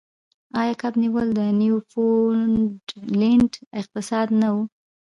آیا کب نیول د نیوفونډلینډ اقتصاد نه و؟